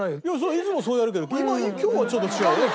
いつもそうやるけど今日はちょっと違うよ。